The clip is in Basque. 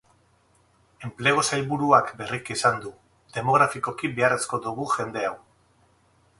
Enplegu sailburuak berriki esan du, demografikoki beharrezko dugu jende hau.